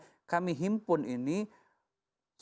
kami minta dari yang lain seperti dari pemerintah provinsi